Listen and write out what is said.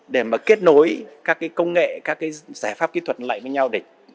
để mà kết nối các công nghệ các giải pháp kỹ thuật lại với nhau